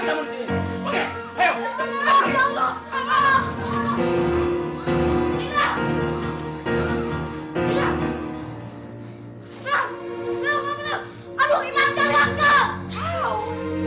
cari angka doang aduh